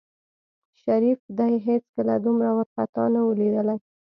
شريف دى هېڅکله دومره وارخطا نه و ليدلى.